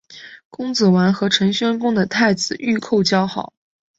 公子完和陈宣公的太子御寇交好。